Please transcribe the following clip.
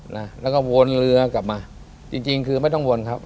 นะแล้วก็วนเรือกลับมาจริงจริงคือไม่ต้องวนครับ